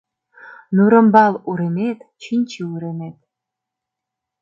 Нурымбал уремет — чинче уремет